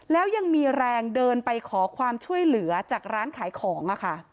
แล้วยังมีแรงเดินไปขอความช่วยเหลือจากร้านขายของ